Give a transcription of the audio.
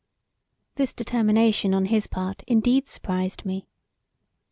This determination on his part indeed surprised me.